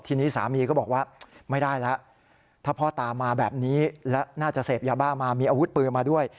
ทีนี้สามีก็บอกว่าไม่ได้แล้วถ้าพ่อตามมาแบบนี้แล้วน่าจะเสพยาบ้ามามีอาวุธปืนมาด้วย